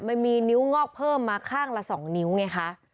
มันมีนิ้วงอกเพิ่มมาข้างละ๒นิ้วไงคะ